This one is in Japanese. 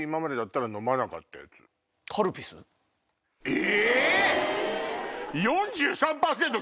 え